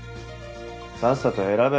さっさと選べよ。